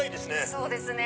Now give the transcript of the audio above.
そうですね。